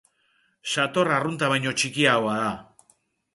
Sator arrunta baino txikiagoa da.